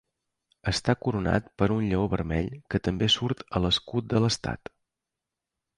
Està coronat per un lleó vermell que també surt a l"escut de l"estat.